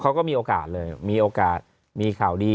เขาก็มีโอกาสเลยมีโอกาสมีข่าวดี